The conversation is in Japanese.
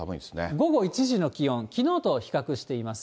午後１時の気温、きのうと比較してみます。